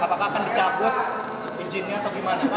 apakah akan dicabut izinnya atau gimana